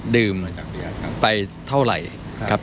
ดื่มไปเท่าไหร่ครับ